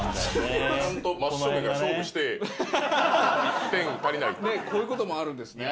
この辺がねちゃんと真っ正面から勝負して１点足りないというこういうこともあるんですね